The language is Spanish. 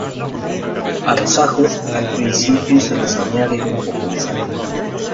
A los ajos, al principio, se les añade un poco de sal.